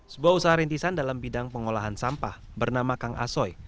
sebuah usaha rintisan dalam bidang pengolahan sampah bernama kang asoy